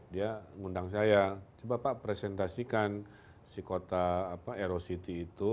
dia mengundang saya coba pak presentasikan si kota erosity itu